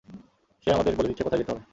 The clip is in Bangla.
সে আমাদের বলে দিচ্ছে কোথায় যেতে হবে।